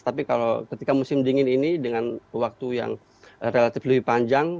tapi kalau ketika musim dingin ini dengan waktu yang relatif lebih panjang